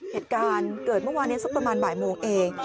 เหตุการณ์เกิดเมื่อวานนี้สักประมาณบ่ายโมงเอง